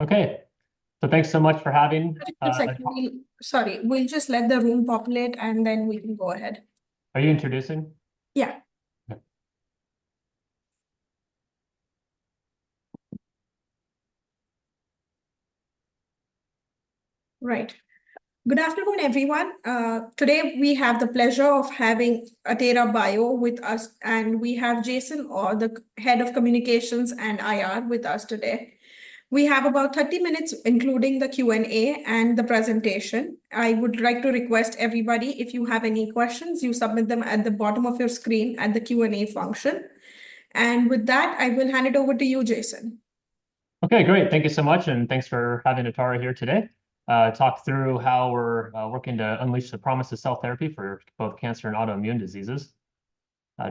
Okay. So thanks so much for having. One second, sorry, we'll just let the room populate, and then we can go ahead. Are you introducing? Yeah. Okay. Right. Good afternoon, everyone. Today we have the pleasure of having Atara Biotherapeutics with us, and we have Jason, the Head of Communications and IR, with us today. We have about 30 minutes, including the Q&A and the presentation. I would like to request everybody, if you have any questions, you submit them at the bottom of your screen at the Q&A function. With that, I will hand it over to you, Jason. Okay, great. Thank you so much, and thanks for having Atara here today, to talk through how we're working to unleash the promise of cell therapy for both cancer and autoimmune diseases.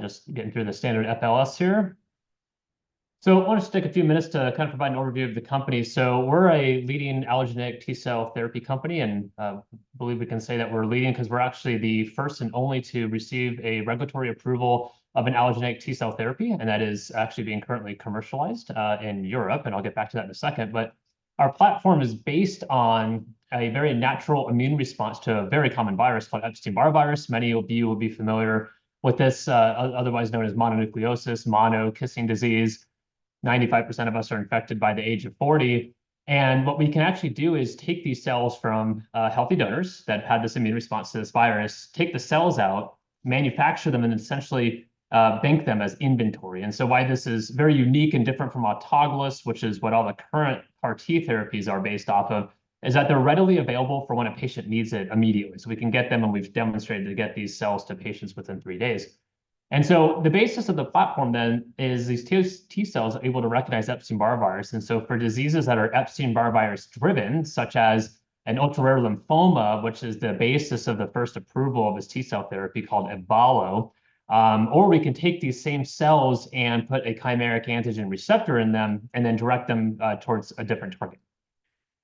Just getting through the standard FLS here. So I want to take a few minutes to kind of provide an overview of the company. So we're a leading allogeneic T-cell therapy company, and, I believe we can say that we're leading 'cause we're actually the first and only to receive a regulatory approval of an allogeneic T-cell therapy, and that is actually being currently commercialized, in Europe, and I'll get back to that in a second. But our platform is based on a very natural immune response to a very common virus called Epstein-Barr virus. Many of you will be familiar with this, otherwise known as mononucleosis, mono, kissing disease. 95% of us are infected by the age of 40. What we can actually do is take these cells from healthy donors that had this immune response to this virus, take the cells out, manufacture them, and essentially bank them as inventory. So why this is very unique and different from autologous, which is what all the current CAR T therapies are based off of, is that they're readily available for when a patient needs it immediately. We can get them, and we've demonstrated to get these cells to patients within three days. So the basis of the platform then is these T-cells are able to recognize Epstein-Barr virus. For diseases that are Epstein-Barr virus driven, such as an ultra-rare lymphoma, which is the basis of the first approval of this T-cell therapy called Ebvallo. Or we can take these same cells and put a chimeric antigen receptor in them, and then direct them towards a different target.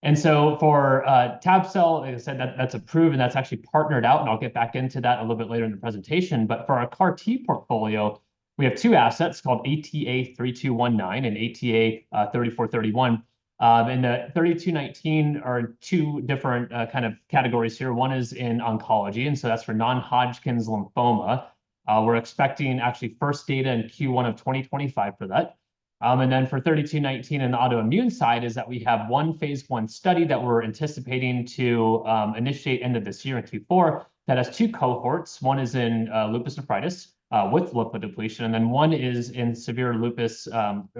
And so for tab-cel, as I said, that's approved, and that's actually partnered out, and I'll get back into that a little bit later in the presentation. But for our CAR T portfolio, we have two assets called ATA3219 and ATA3431. And 3219 are two different kind of categories here. One is in oncology, and so that's for non-Hodgkin's lymphoma. We're expecting actually first data in Q1 of 2025 for that. And then for 3219 in the autoimmune side, is that we have one phase I study that we're anticipating to initiate end of this year in Q4, that has two cohorts. One is in lupus nephritis with lymphodepletion, and then one is in severe lupus,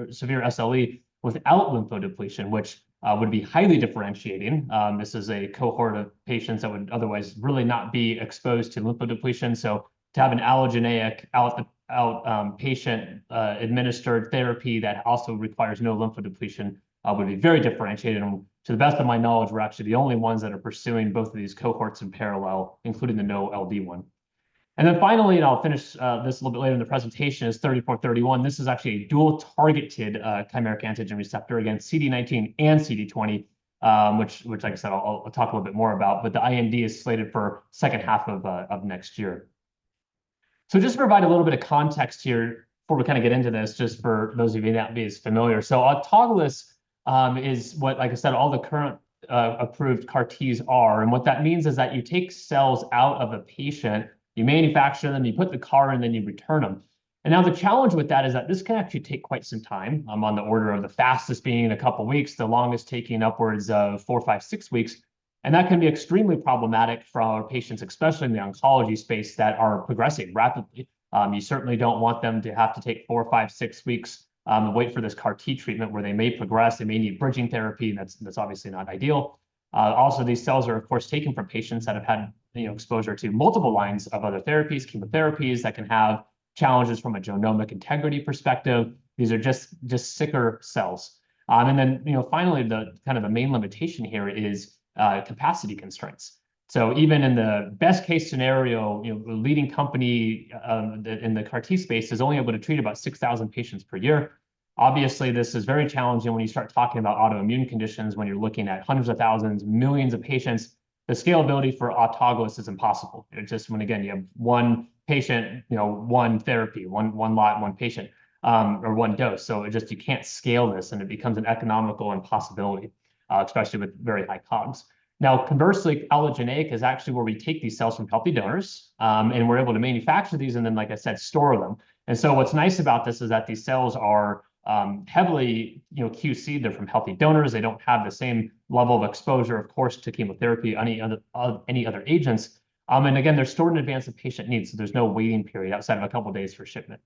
severe SLE without lymphodepletion, which would be highly differentiating. This is a cohort of patients that would otherwise really not be exposed to lymphodepletion. So to have an allogeneic outpatient administered therapy that also requires no lymphodepletion would be very differentiated. And to the best of my knowledge, we're actually the only ones that are pursuing both of these cohorts in parallel, including the no LD one. And then finally, and I'll finish this a little bit later in the presentation, is ATA3431. This is actually a dual-targeted chimeric antigen receptor against CD19 and CD20. Which, like I said, I'll talk a little bit more about, but the IND is slated for second half of next year. So just to provide a little bit of context here before we kinda get into this, just for those of you who may not be as familiar. So autologous is what, like I said, all the current approved CAR Ts are. And what that means is that you take cells out of a patient, you manufacture them, you put the CAR in, then you return them. And now the challenge with that is that this can actually take quite some time, on the order of the fastest being a couple of weeks, the longest taking upwards of four, five, six weeks. And that can be extremely problematic for our patients, especially in the oncology space, that are progressing rapidly. You certainly don't want them to have to take four, five, six weeks and wait for this CAR T treatment where they may progress, they may need bridging therapy, and that's, that's obviously not ideal. Also, these cells are, of course, taken from patients that have had, you know, exposure to multiple lines of other therapies, chemotherapies that can have challenges from a genomic integrity perspective. These are just sicker cells. And then, you know, finally, the kind of a main limitation here is capacity constraints. So even in the best-case scenario, you know, the leading company in the CAR T space is only able to treat about 6,000 patients per year. Obviously, this is very challenging when you start talking about autoimmune conditions, when you're looking at hundreds of thousands, millions of patients. The scalability for autologous is impossible. It just... When again, you have one patient, you know, one therapy, one, one lot, one patient, or one dose. So it just, you can't scale this, and it becomes an economical impossibility, especially with very high COGS. Now, conversely, allogeneic is actually where we take these cells from healthy donors, and we're able to manufacture these, and then, like I said, store them. And so what's nice about this is that these cells are, heavily, you know, QC'd. They're from healthy donors. They don't have the same level of exposure, of course, to chemotherapy, any other, any other agents. And again, they're stored in advance of patient needs, so there's no waiting period outside of a couple of days for shipment.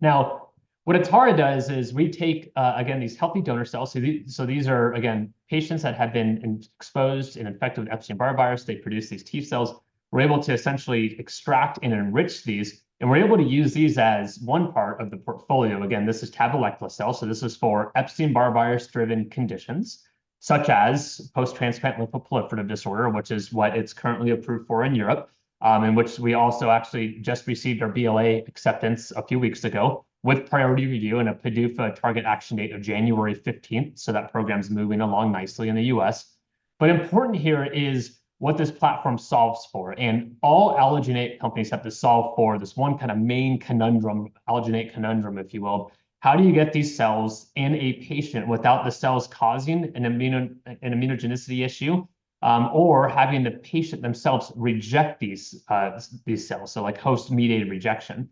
Now, what Atara does is we take, again, these healthy donor cells. So these are, again, patients that have been exposed and infected with Epstein-Barr virus. They produce these T-cells. We're able to essentially extract and enrich these, and we're able to use these as one part of the portfolio. Again, this is tabelecleucel, so this is for Epstein-Barr virus-driven conditions, such as post-transplant lymphoproliferative disorder, which is what it's currently approved for in Europe. In which we also actually just received our BLA acceptance a few weeks ago, with priority review and a PDUFA target action date of January fifteenth. So that program is moving along nicely in the U.S. But important here is what this platform solves for, and all allogeneic companies have to solve for this one kind of main conundrum, allogeneic conundrum, if you will. How do you get these cells in a patient without the cells causing an immunogenicity issue, or having the patient themselves reject these, these cells, so, like, host-mediated rejection?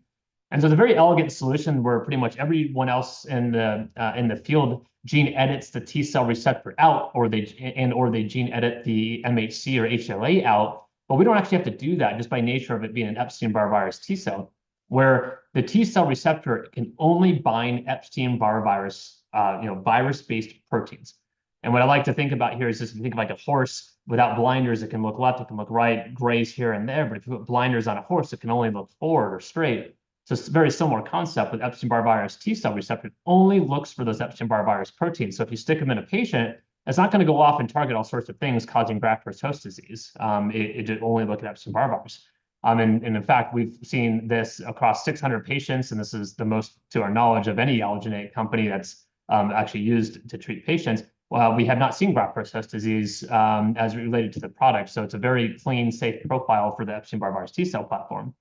So the very elegant solution where pretty much everyone else in the, in the field gene edits the T cell receptor out, or they and/or they gene edit the MHC or HLA out, but we don't actually have to do that just by nature of it being an Epstein-Barr virus T cell, where the T cell receptor can only bind Epstein-Barr virus, you know, virus-based proteins. What I like to think about here is just to think like a horse without blinders. It can look left, it can look right, graze here and there, but if you put blinders on a horse, it can only look forward or straight. It's a very similar concept with Epstein-Barr virus T-cell receptor. It only looks for those Epstein-Barr virus proteins. So if you stick them in a patient, it's not gonna go off and target all sorts of things, causing graft-versus-host disease. It only look at Epstein-Barr virus. And in fact, we've seen this across 600 patients, and this is the most, to our knowledge, of any allogeneic company that's actually used to treat patients. While we have not seen graft-versus-host disease as related to the product, so it's a very clean, safe profile for the Epstein-Barr virus T-cell platform.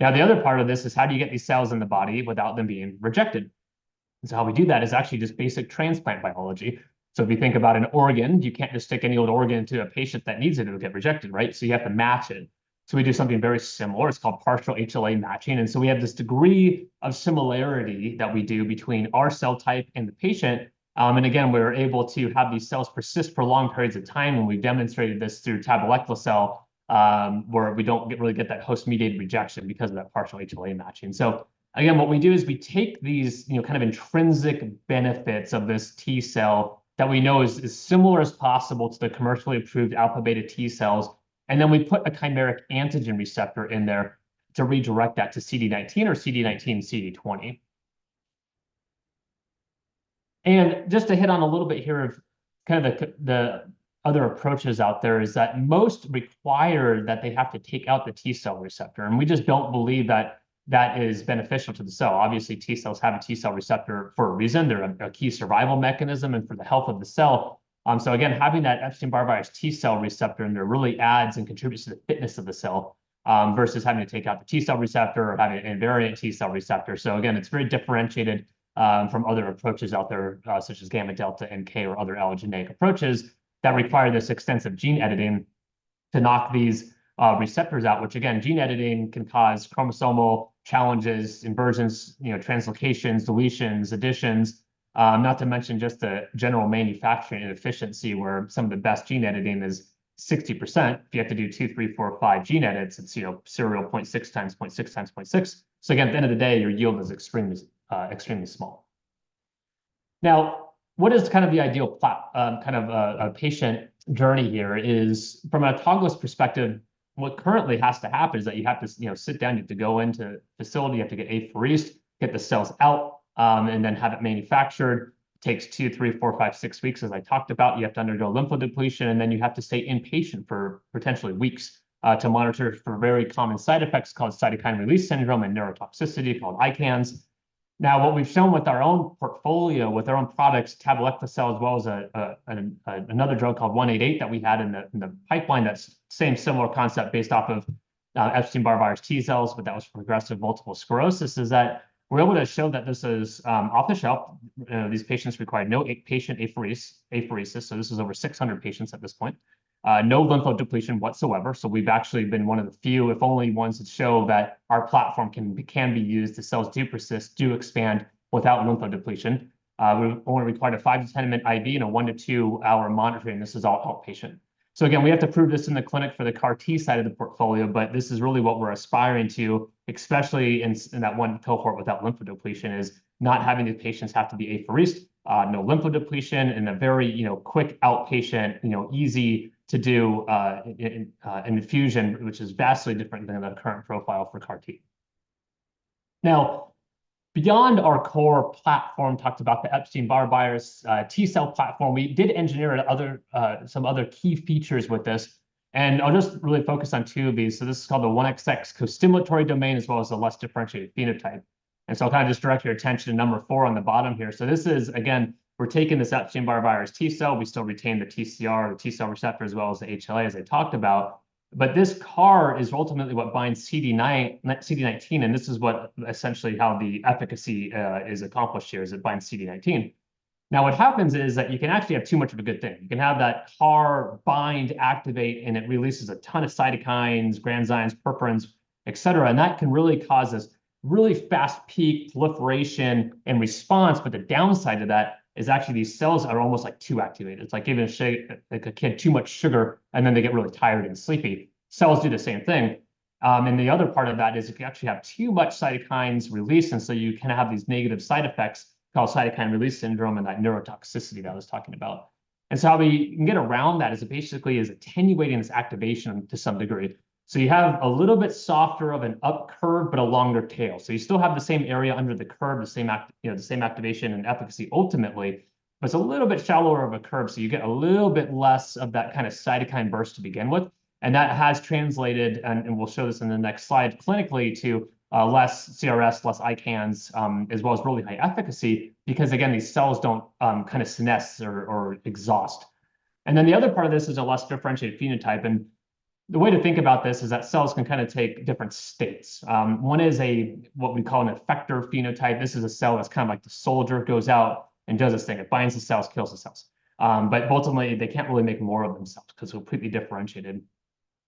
Now, the other part of this is: How do you get these cells in the body without them being rejected? So how we do that is actually just basic transplant biology. So if you think about an organ, you can't just stick any old organ into a patient that needs it. It'll get rejected, right? So you have to match it. So we do something very similar. It's called partial HLA matching, and so we have this degree of similarity that we do between our cell type and the patient. And again, we're able to have these cells persist for long periods of time, and we've demonstrated this through tabelecleucel, where we don't really get that host-mediated rejection because of that partial HLA matching. So again, what we do is we take these, you know, kind of intrinsic benefits of this T cell that we know is similar as possible to the commercially approved alpha/beta T cells, and then we put a chimeric antigen receptor in there to redirect that to CD19 or CD19, CD20. Just to hit on a little bit here of kind of the other approaches out there, is that most require that they have to take out the T-cell receptor, and we just don't believe that that is beneficial to the cell. Obviously, T cells have a T-cell receptor for a reason. They're a key survival mechanism and for the health of the cell. So again, having that Epstein-Barr virus T-cell receptor in there really adds and contributes to the fitness of the cell, versus having to take out the T-cell receptor or having an invariant T-cell receptor. So again, it's very differentiated from other approaches out there, such as gamma delta and NK, or other allogeneic approaches that require this extensive gene editing to knock these receptors out, which again, gene editing can cause chromosomal challenges, inversions, you know, translocations, deletions, additions. Not to mention just the general manufacturing and efficiency, where some of the best gene editing is 60%. If you have to do two, three, four, five gene edits, it's, you know, serial 0.6 times 0.6 times 0.6. So again, at the end of the day, your yield is extremely, extremely small. Now, what is kind of the ideal, kind of, a patient journey here is from an autologous perspective, what currently has to happen is that you have to, you know, sit down, you have to go into facility, you have to get apheresis, get the cells out, and then have it manufactured. Takes two, three, four, five, six weeks, as I talked about. You have to undergo lymphodepletion, and then you have to stay inpatient for potentially weeks, to monitor for very common side effects called cytokine release syndrome and neurotoxicity, called ICANS. Now, what we've shown with our own portfolio, with our own products, tabelecleucel, as well as another drug called ATA188 that we had in the pipeline, that's the same similar concept based off of Epstein-Barr virus T cells, but that was for progressive multiple sclerosis, is that we're able to show that this is off the shelf. These patients required no patient apheresis, so this is over 600 patients at this point. No lymphodepletion whatsoever. So we've actually been one of the few, if only ones, that show that our platform can be used as cells do persist, do expand without lymphodepletion. We only required a five to 10-minute IV and a one to two-hour monitoring. This is all outpatient. So again, we have to prove this in the clinic for the CAR T side of the portfolio, but this is really what we're aspiring to, especially in that one cohort with that lymphodepletion, is not having the patients have to be apheresis, no lymphodepletion, and a very, you know, quick outpatient, you know, easy to do, an infusion, which is vastly different than the current profile for CAR T. Now, beyond our core platform, talked about the Epstein-Barr virus T cell platform, we did engineer other, some other key features with this, and I'll just really focus on two of these. This is called the 1XX costimulatory domain, as well as the less differentiated phenotype. And so I'll just direct your attention to number four on the bottom here. So this is, again, we're taking this Epstein-Barr virus T cell. We still retain the TCR, the T cell receptor, as well as the HLA, as I talked about. But this CAR is ultimately what binds CD19, and this is what essentially how the efficacy is accomplished here, is it binds CD19. Now, what happens is that you can actually have too much of a good thing. You can have that CAR bind, activate, and it releases a ton of cytokines, granzymes, perforins, et cetera, and that can really cause this really fast peak proliferation and response. But the downside to that is actually these cells are almost, like, too activated. It's like giving a like, a kid too much sugar, and then they get really tired and sleepy. Cells do the same thing. And the other part of that is if you actually have too much cytokines released, and so you kinda have these negative side effects called cytokine release syndrome and that neurotoxicity that I was talking about. And so how we can get around that is basically is attenuating this activation to some degree. So you have a little bit softer of an up curve, but a longer tail. So you still have the same area under the curve, you know, the same activation and efficacy ultimately, but it's a little bit shallower of a curve, so you get a little bit less of that kind of cytokine burst to begin with. And that has translated, and we'll show this in the next slide, clinically to less CRS, less ICANS, as well as really high efficacy. Because again, these cells don't kind of senesce or exhaust. And then the other part of this is a less differentiated phenotype. The way to think about this is that cells can kinda take different states. One is what we call an effector phenotype. This is a cell that's kind of like the soldier, goes out and does its thing. It binds the cells, kills the cells. But ultimately, they can't really make more of themselves 'cause they're completely differentiated.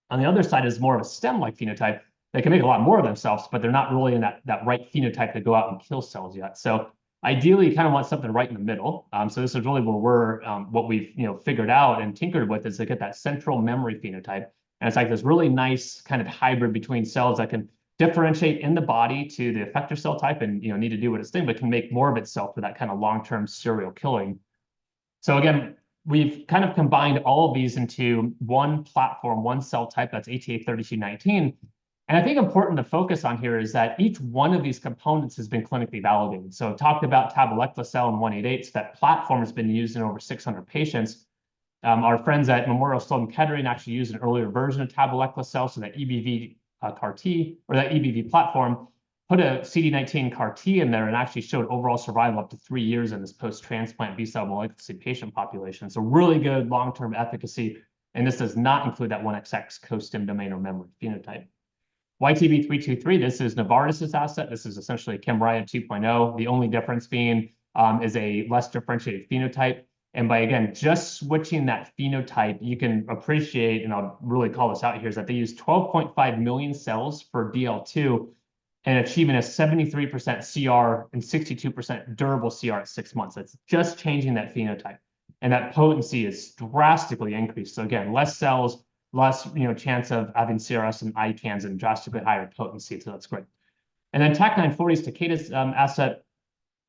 On the other side is more of a stem-like phenotype. They can make a lot more of themselves, but they're not really in that right phenotype to go out and kill cells yet. So ideally, you kinda want something right in the middle. So this is really where we've, you know, figured out and tinkered with, is to get that central memory phenotype, and it's like this really nice kind of hybrid between cells that can differentiate in the body to the effector cell type and, you know, need to do what it's doing, but can make more of itself for that kinda long-term serial killing. So again, we've kind of combined all of these into one platform, one cell type, that's ATA3219. And I think important to focus on here is that each one of these components has been clinically validated. So talked about tabelecleucel in ATA188. That platform has been used in over 600 patients. Our friends at Memorial Sloan Kettering actually used an earlier version of tabelecleucel, so that EBV CAR-T, or that EBV platform, put a CD19 CAR-T in there and actually showed overall survival up to three years in this post-transplant B-cell malignancy patient population. It's a really good long-term efficacy, and this does not include that 1XX costim domain or memory phenotype. YTB323, this is Novartis's asset. This is essentially Kymriah 2.0, the only difference being is a less differentiated phenotype. And by again, just switching that phenotype, you can appreciate, and I'll really call this out here, is that they use 12.5 million cells for DL2 and achieving a 73% CR and 62% durable CR at six months. That's just changing that phenotype, and that potency is drastically increased. So again, less cells, less, you know, chance of having CRS and ICANS and drastically higher potency, so that's great. And then TAK-940's Takeda's asset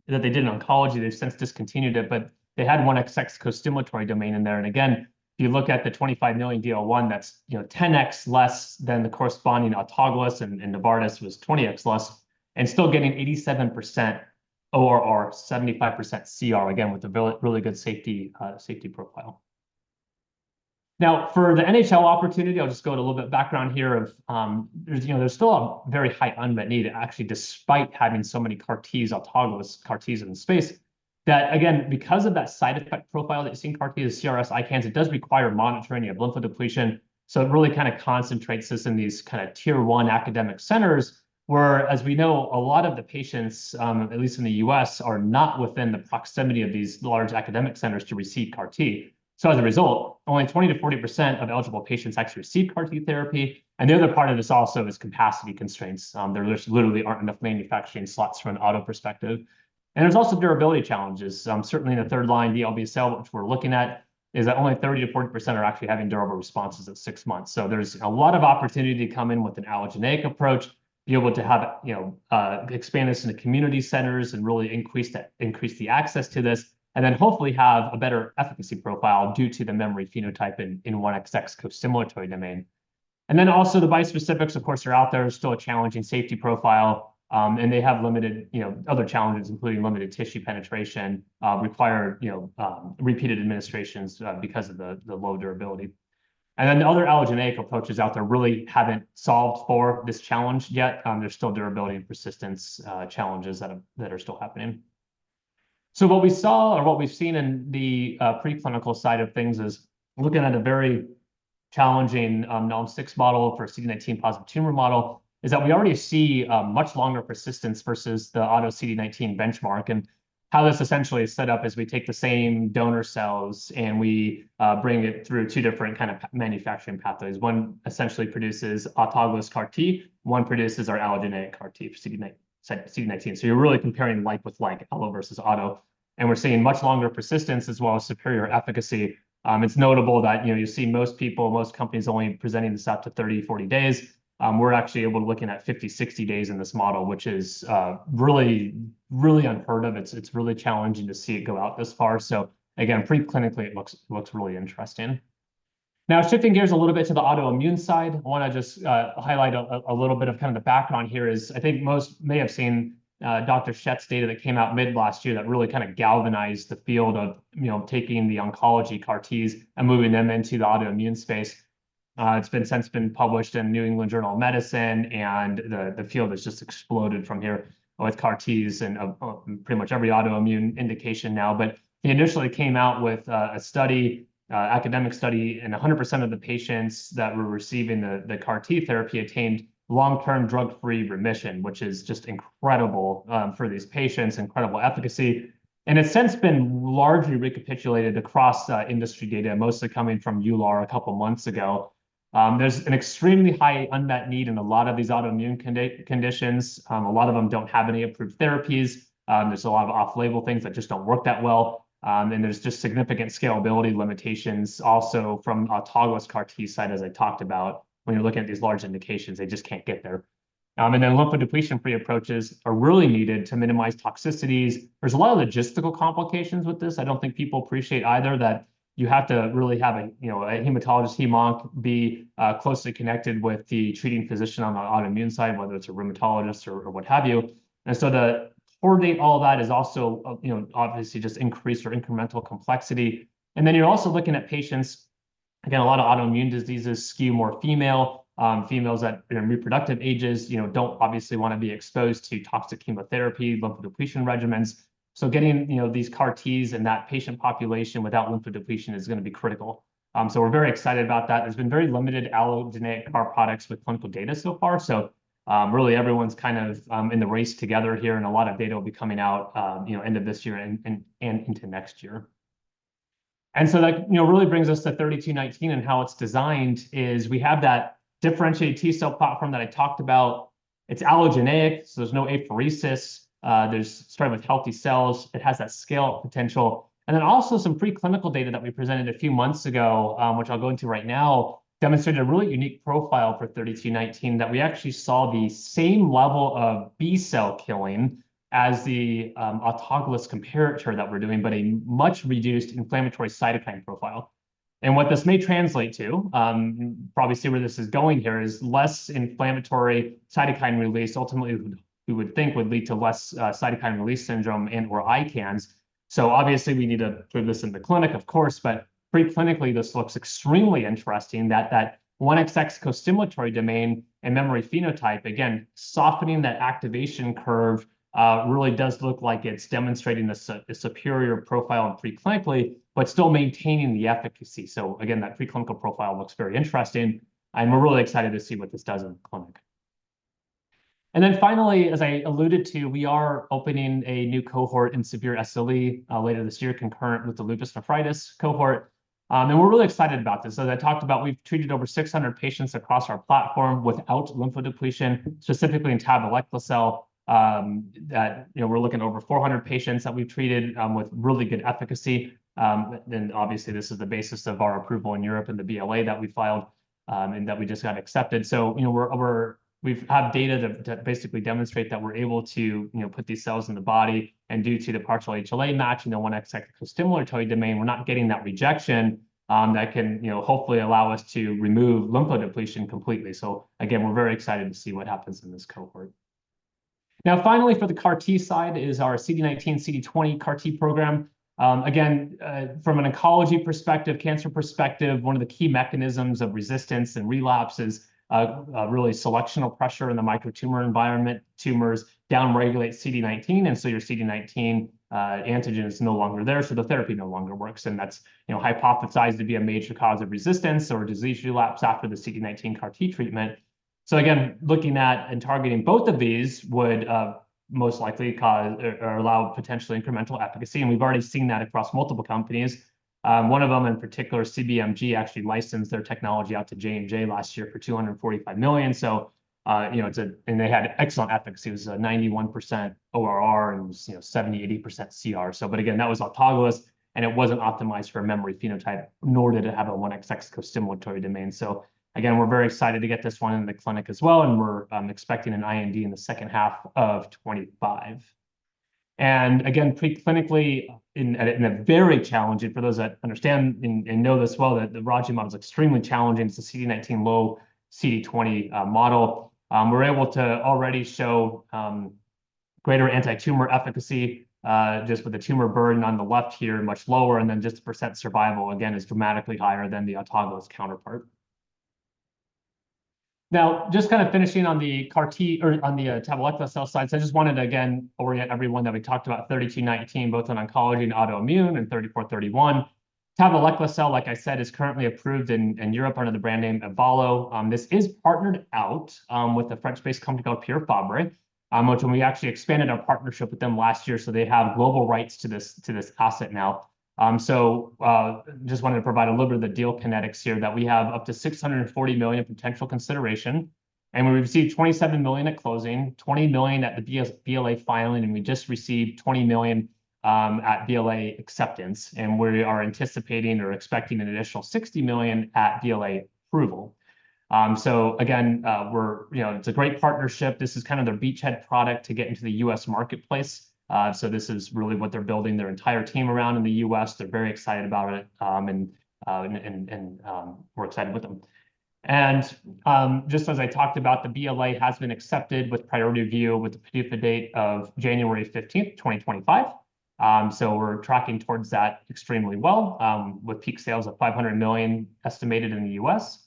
that they did in oncology. They've since discontinued it, but they had 1XX costimulatory domain in there. And again, if you look at the 25 million DL1, that's, you know, 10x less than the corresponding autologous, and, and Novartis was 20x less, and still getting 87% ORR, 75% CR, again, with a really, really good safety, safety profile. Now, for the NHL opportunity, I'll just go into a little bit of background here of... There's, you know, there's still a very high unmet need, actually, despite having so many CAR-Ts, autologous CAR-Ts in the space, that again, because of that side effect profile that you see in CAR-T, the CRS, ICANS, it does require monitoring your lymphodepletion. So it really kinda concentrates us in these kinda tier one academic centers, where, as we know, a lot of the patients, at least in the U.S., are not within the proximity of these large academic centers to receive CAR-T. So as a result, only 20%-40% of eligible patients actually receive CAR-T therapy, and the other part of this also is capacity constraints. There just literally aren't enough manufacturing slots from an auto perspective. And there's also durability challenges. Certainly in the third line, the B cell, which we're looking at, is that only 30%-40% are actually having durable responses at six months. So there's a lot of opportunity to come in with an allogeneic approach, be able to have, you know, expand this into community centers and really increase the, increase the access to this, and then hopefully have a better efficacy profile due to the memory phenotype in, in 1XX costimulatory domain. And then also the bispecifics, of course, are out there, still a challenging safety profile, and they have limited, you know, other challenges, including limited tissue penetration, require, you know, repeated administrations, because of the, the low durability. And then the other allogeneic approaches out there really haven't solved for this challenge yet. There's still durability and persistence challenges that are still happening. So what we saw or what we've seen in the preclinical side of things is looking at a very challenging Nalm-6 model for CD19 positive tumor model, is that we already see a much longer persistence versus the auto CD19 benchmark. And how this essentially is set up is we take the same donor cells, and we bring it through two different kind of manufacturing pathways. One essentially produces autologous CAR-T, one produces our allogeneic CAR-T CD19. So you're really comparing like with like, allo versus auto, and we're seeing much longer persistence as well as superior efficacy. It's notable that, you know, you see most people, most companies only presenting this up to 30, 40 days. We're actually able to looking at 50, 60 days in this model, which is really, really unheard of. It's really challenging to see it go out this far. So again, preclinically, it looks really interesting. Now, shifting gears a little bit to the autoimmune side, I wanna just highlight a little bit of kinda the background here is, I think most may have seen Dr. Schett's data that came out mid last year that really kinda galvanized the field of, you know, taking the oncology CAR-Ts and moving them into the autoimmune space. It's since been published in New England Journal of Medicine, and the field has just exploded from here with CAR-Ts and pretty much every autoimmune indication now. But he initially came out with a study, academic study, and 100% of the patients that were receiving the CAR-T therapy attained long-term drug-free remission, which is just incredible for these patients, incredible efficacy. And it's since been largely recapitulated across industry data, mostly coming from EULAR a couple months ago. There's an extremely high unmet need in a lot of these autoimmune conditions. A lot of them don't have any approved therapies. There's a lot of off-label things that just don't work that well, and there's just significant scalability limitations also from autologous CAR-T side, as I talked about. When you're looking at these large indications, they just can't get there. And then lymphodepletion-free approaches are really needed to minimize toxicities. There's a lot of logistical complications with this. I don't think people appreciate either that you have to really have a, you know, a hematologist, hemonc, closely connected with the treating physician on the autoimmune side, whether it's a rheumatologist or, or what have you. And so to coordinate all of that is also, you know, obviously just increased or incremental complexity. And then you're also looking at patients, again, a lot of autoimmune diseases skew more female. Females at, you know, reproductive ages, you know, don't obviously wanna be exposed to toxic chemotherapy, lymphodepletion regimens. So getting, you know, these CAR-Ts in that patient population without lymphodepletion is gonna be critical. So we're very excited about that. There's been very limited allogeneic CAR products with clinical data so far, so-... Really, everyone's kind of in the race together here, and a lot of data will be coming out, you know, end of this year and into next year. And so that, you know, really brings us to 3219, and how it's designed is we have that differentiated T cell platform that I talked about. It's allogeneic, so there's no apheresis. There's starting with healthy cells. It has that scale potential. And then also some preclinical data that we presented a few months ago, which I'll go into right now, demonstrated a really unique profile for 3219, that we actually saw the same level of B cell killing as the autologous comparator that we're doing, but a much reduced inflammatory cytokine profile. And what this may translate to, you probably see where this is going here, is less inflammatory cytokine release. Ultimately, we would think would lead to less cytokine release syndrome and/or ICANS. So obviously, we need to prove this in the clinic, of course, but preclinically, this looks extremely interesting that that 1XX costimulatory domain and memory phenotype, again, softening that activation curve, really does look like it's demonstrating a superior profile in preclinically, but still maintaining the efficacy. So again, that preclinical profile looks very interesting. I'm really excited to see what this does in the clinic. And then finally, as I alluded to, we are opening a new cohort in severe SLE later this year, concurrent with the lupus nephritis cohort. And we're really excited about this. As I talked about, we've treated over 600 patients across our platform without lymphodepletion, specifically in tabelecleucel. That, you know, we're looking at over 400 patients that we've treated with really good efficacy. Then obviously, this is the basis of our approval in Europe and the BLA that we filed and that we just got accepted. So, you know, we have data that basically demonstrate that we're able to, you know, put these cells in the body and due to the partial HLA match, you know, 1XX costimulatory domain, we're not getting that rejection that can, you know, hopefully allow us to remove lymphodepletion completely. So again, we're very excited to see what happens in this cohort. Now, finally, for the CAR-T side is our CD19/CD20 CAR-T program. Again, from an oncology perspective, cancer perspective, one of the key mechanisms of resistance and relapse is really selectional pressure in the microtumor environment. Tumors downregulate CD19, and so your CD19 antigen is no longer there, so the therapy no longer works, and that's, you know, hypothesized to be a major cause of resistance or disease relapse after the CD19 CAR-T treatment. So again, looking at and targeting both of these would most likely cause or, or allow potential incremental efficacy, and we've already seen that across multiple companies. One of them in particular, CBMG, actually licensed their technology out to J&J last year for $245 million. So, you know, they had excellent efficacy. It was a 91% ORR, and it was, you know, 70%-80% CR. So, but again, that was autologous, and it wasn't optimized for a memory phenotype, nor did it have a 1XX costimulatory domain. So again, we're very excited to get this one into the clinic as well, and we're expecting an IND in the second half of 2025. And again, preclinically in a very challenging, for those that understand and know this well, that the Raji model is extremely challenging. It's a CD19-low, CD20 model. We're able to already show greater antitumor efficacy just with the tumor burden on the left here, much lower, and then just the % survival, again, is dramatically higher than the autologous counterpart. Now, just kind of finishing on the CAR-T or on the tabelecleucel side. So I just wanted to again orient everyone that we talked about 3219, both on oncology and autoimmune, and 3431. Tabelecleucel, like I said, is currently approved in Europe under the brand name Ebvallo. This is partnered out with a French-based company called Pierre Fabre, which when we actually expanded our partnership with them last year, so they have global rights to this, to this asset now. So just wanted to provide a little bit of the deal kinetics here, that we have up to $640 million potential consideration, and we've received $27 million at closing, $20 million at the DS-BLA filing, and we just received $20 million at BLA acceptance, and we are anticipating or expecting an additional $60 million at BLA approval. So again, we're—you know, it's a great partnership. This is kind of their beachhead product to get into the U.S. marketplace. So this is really what they're building their entire team around in the U.S. They're very excited about it, and we're excited with them. And just as I talked about, the BLA has been accepted with priority review with the PDUFA date of January 15th, 2025. So we're tracking towards that extremely well, with peak sales of $500 million estimated in the US.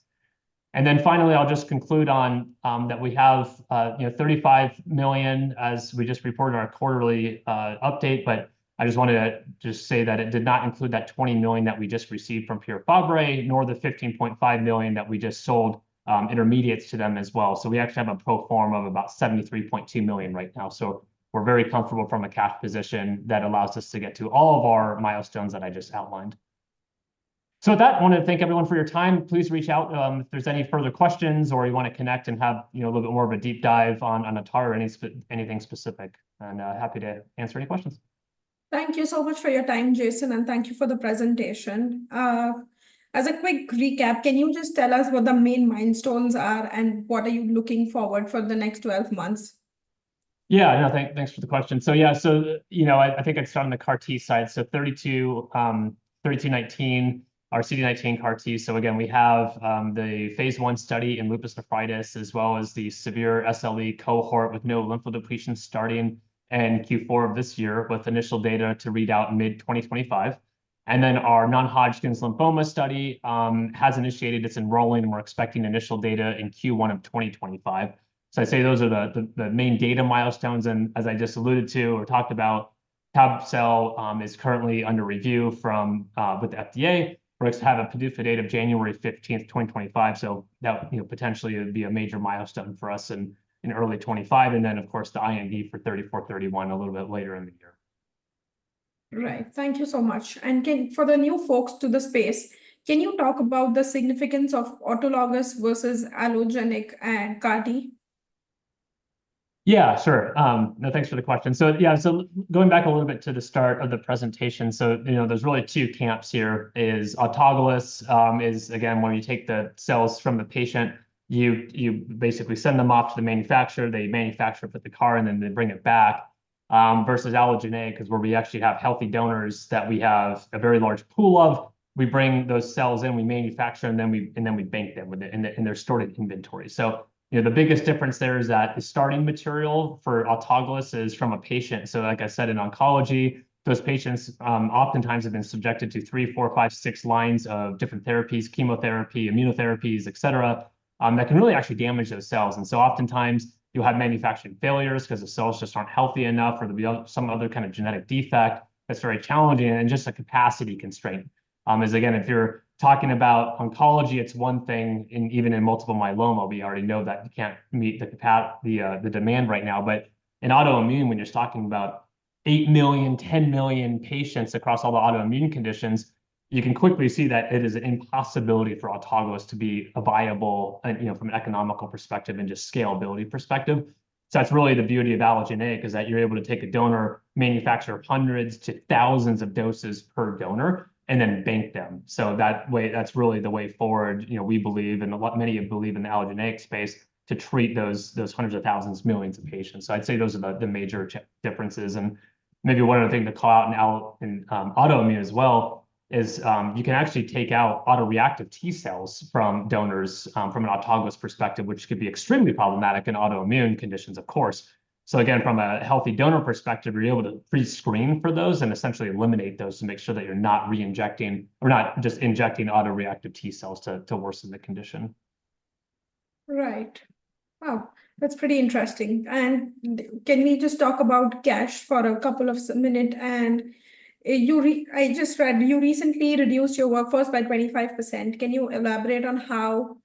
And then finally, I'll just conclude on that we have, you know, $35 million, as we just reported in our quarterly update. But I just wanted to just say that it did not include that $20 million that we just received from Pierre Fabre, nor the $15.5 million that we just sold intermediates to them as well. So we actually have a pro forma of about $73.2 million right now. We're very comfortable from a cash position that allows us to get to all of our milestones that I just outlined. So with that, I want to thank everyone for your time. Please reach out if there's any further questions or you wanna connect and have, you know, a little bit more of a deep dive on Atara or any anything specific, and happy to answer any questions. Thank you so much for your time, Jason, and thank you for the presentation. As a quick recap, can you just tell us what the main milestones are, and what are you looking forward for the next 12 months? Yeah, no, thanks for the question. So yeah, so you know, I, I think I'd start on the CAR-T side. So 32, 3219, our CD19 CAR-T. So again, we have the phase I study in lupus nephritis, as well as the severe SLE cohort with no lymphodepletion starting in Q4 of this year, with initial data to read out in mid 2025. And then our non-Hodgkin's lymphoma study has initiated its enrolling, and we're expecting initial data in Q1 of 2025. So I'd say those are the main data milestones, and as I just alluded to or talked about tab-cel is currently under review with the FDA, where it has a PDUFA date of January 15th, 2025. So that, you know, potentially it would be a major milestone for us in early 2025, and then, of course, the IND for 3431 a little bit later in the year. Right. Thank you so much. And for the new folks to the space, can you talk about the significance of autologous versus allogeneic CAR-T? Yeah, sure. No, thanks for the question. So yeah, so going back a little bit to the start of the presentation, so, you know, there's really two camps here, is autologous, is, again, where you take the cells from the patient. You, you basically send them off to the manufacturer, they manufacture, put the CAR, and then they bring it back. Versus allogeneic, 'cause where we actually have healthy donors that we have a very large pool of, we bring those cells in, we manufacture them, then we, and then we bank them with the... and they, and they're stored in inventory. So, you know, the biggest difference there is that the starting material for autologous is from a patient. So like I said, in oncology, those patients, oftentimes have been subjected to three, four, five, six lines of different therapies, chemotherapy, immunotherapies, et cetera, that can really actually damage those cells. And so oftentimes you'll have manufacturing failures 'cause the cells just aren't healthy enough, or there'll be some other kind of genetic defect that's very challenging and just a capacity constraint. As again, if you're talking about oncology, it's one thing, and even in multiple myeloma, we already know that you can't meet the demand right now. But in autoimmune, when you're talking about 8 million, 10 million patients across all the autoimmune conditions, you can quickly see that it is an impossibility for autologous to be a viable, and, you know, from an economical perspective and just scalability perspective. So that's really the beauty of allogeneic, is that you're able to take a donor, manufacture hundreds to thousands of doses per donor, and then bank them. So that way, that's really the way forward, you know, we believe, and a lot many believe in the allogeneic space, to treat those hundreds of thousands, millions of patients. So I'd say those are the major differences. And maybe one other thing to call out now in autoimmune as well is you can actually take out autoreactive T-cells from donors from an autologous perspective, which could be extremely problematic in autoimmune conditions, of course. So again, from a healthy donor perspective, you're able to pre-screen for those and essentially eliminate those to make sure that you're not re-injecting, or not just injecting autoreactive T-cells to worsen the condition. Right. Wow, that's pretty interesting. Can we just talk about cash for a couple of minute? I just read you recently reduced your workforce by 25%. Can you elaborate on how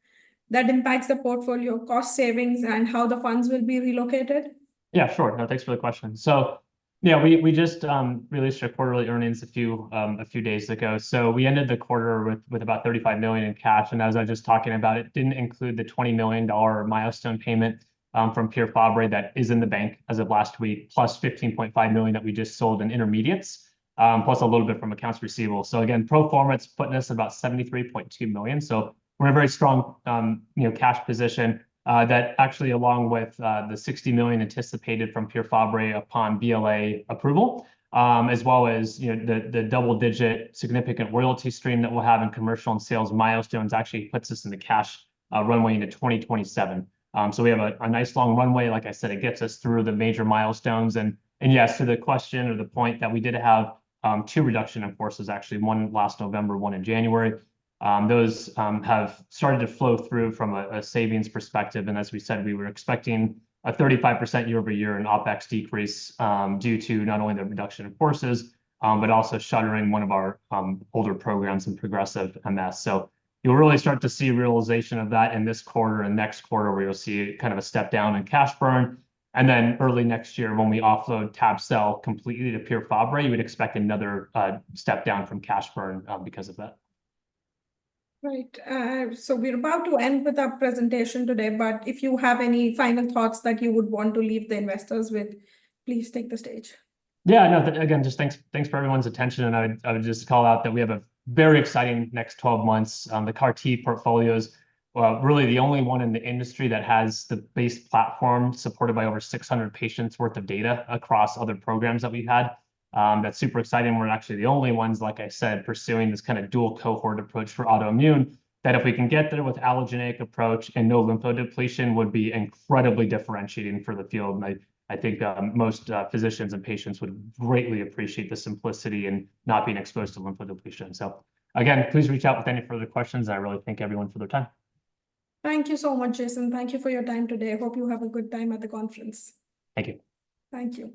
that impacts the portfolio cost savings, and how the funds will be relocated? Yeah, sure. No, thanks for the question. So yeah, we just released our quarterly earnings a few days ago. So we ended the quarter with about $35 million in cash, and as I was just talking about, it didn't include the $20 million milestone payment from Pierre Fabre that is in the bank as of last week, plus $15.5 million that we just sold in intermediates, plus a little bit from accounts receivable. So again, pro forma, it's putting us about $73.2 million. So we're in a very strong, you know, cash position, that actually along with, the $60 million anticipated from Pierre Fabre upon BLA approval, as well as, you know, the, the double-digit significant royalty stream that we'll have in commercial and sales milestones actually puts us in the cash, runway into 2027. So we have a nice long runway. Like I said, it gets us through the major milestones. And yes, to the question or the point that we did have, two reduction in forces, actually, one last November, one in January. Those have started to flow through from a savings perspective, and as we said, we were expecting a 35% year-over-year in OpEx decrease, due to not only the reduction in forces, but also shuttering one of our older programs in progressive MS. So you'll really start to see realization of that in this quarter and next quarter, where you'll see kind of a step down in cash burn. And then early next year, when we offload tab-cel completely to Pierre Fabre, you would expect another step down from cash burn, because of that. Right. So we're about to end with our presentation today, but if you have any final thoughts that you would want to leave the investors with, please take the stage. Yeah, no, again, just thanks, thanks for everyone's attention, and I would just call out that we have a very exciting next 12 months. The CAR-T portfolio is, well, really the only one in the industry that has the base platform supported by over 600 patients worth of data across other programs that we've had. That's super exciting. We're actually the only ones, like I said, pursuing this kind of dual cohort approach for autoimmune, that if we can get there with allogeneic approach and no lymphodepletion, would be incredibly differentiating for the field. And I think that most physicians and patients would greatly appreciate the simplicity and not being exposed to lymphodepletion. So again, please reach out with any further questions. I really thank everyone for their time. Thank you so much, Jason. Thank you for your time today. I hope you have a good time at the conference. Thank you. Thank you.